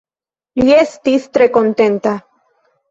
Li estis tre kontenta.